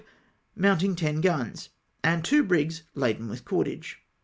ship, mounting 10 guns, and two brigs laden witli cordage.